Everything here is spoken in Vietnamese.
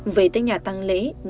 về tới nhà tăng lễ nhìn thấy con